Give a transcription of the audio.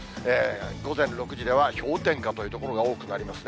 午前６時では、氷点下という所が多くなりますね。